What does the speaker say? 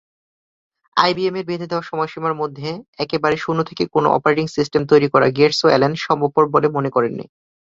আইবিএম-এর বেঁধে দেয়া সময়সীমার মধ্যে একেবারে শূন্য থেকে কোন অপারেটিং সিস্টেম তৈরি করা গেটস ও অ্যালেন সম্ভবপর বলে মনে করেননি।